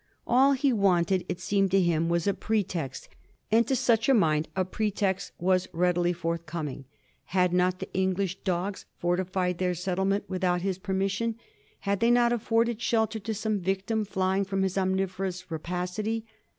All be wanted, it seemed to bim, was a pretext, and to sucb a mind a pretext was readily fortbcoming. Had not tbe Englisb dogs fortified tbeir settlement witbout bis permission ? Had tbey not afforded sbelter to some vic tim flying from bis omnivorous rapacity?